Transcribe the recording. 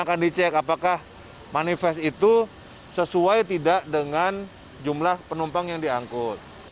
akan dicek apakah manifest itu sesuai tidak dengan jumlah penumpang yang diangkut